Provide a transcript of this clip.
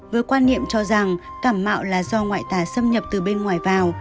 với quan niệm cho rằng cảm mạo là do ngoại tà xâm nhập từ bên ngoài vào